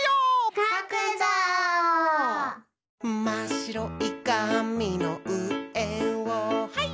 「まっしろいかみのうえをハイ！」